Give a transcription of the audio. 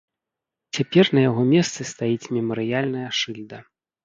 Цяпер на яго месцы стаіць мемарыяльная шыльда.